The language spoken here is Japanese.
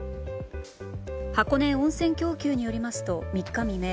箱根温泉供給によりますと３日未明